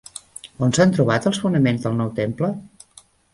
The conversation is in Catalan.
On s'han trobat els fonaments del nou temple?